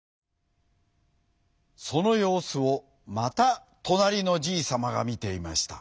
そのようすをまたとなりのじいさまがみていました。